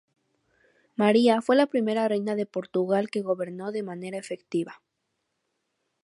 María fue la primera reina de Portugal que gobernó de manera efectiva.